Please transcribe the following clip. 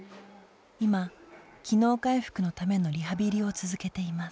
今機能回復のためのリハビリを続けています。